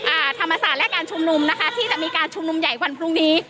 อ่าธรรมศาสตร์และการชุมนุมนะคะที่จะมีการชุมนุมใหญ่วันพรุ่งนี้